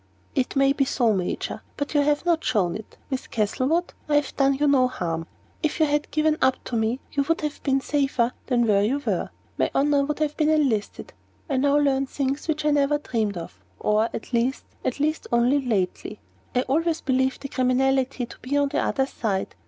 "It may be so, Major; but you have not shown it. Miss Castlewood, I have done you no harm. If you had been given up to me, you would have been safer than where you were. My honor would have been enlisted. I now learn things which I never dreamed of or, at least at least only lately. I always believed the criminality to be on the other side.